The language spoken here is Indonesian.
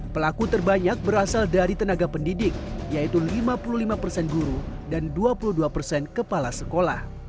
pelaku terbanyak berasal dari tenaga pendidik yaitu lima puluh lima persen guru dan dua puluh dua persen kepala sekolah